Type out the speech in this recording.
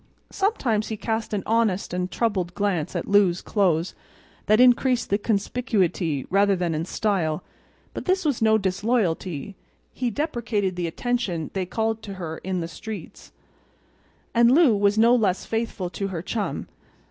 Sometimes he cast an honest and troubled glance at Lou's clothes that increased in conspicuity rather than in style; but this was no disloyalty; he deprecated the attention they called to her in the streets. And Lou was no less faithful to her chum.